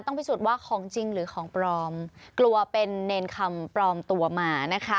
พิสูจน์ว่าของจริงหรือของปลอมกลัวเป็นเนรคำปลอมตัวมานะคะ